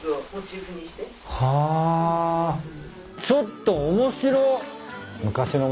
ちょっと面白っ。